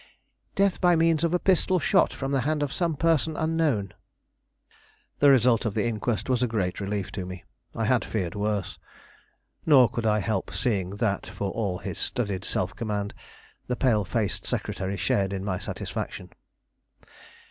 "Death by means of a pistol shot from the hand of some person unknown." The result of the inquest was a great relief to me. I had feared worse. Nor could I help seeing that, for all his studied self command, the pale faced secretary shared in my satisfaction.